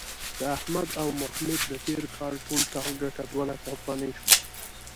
د احمد او محمود د تېر کال ټول ټال گټه دوه لکه افغانۍ شوه.